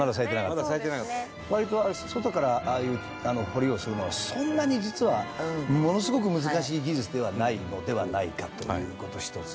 割と外からああいう彫りをするのはそんなに実はものすごく難しい技術ではないのではないかという事１つ。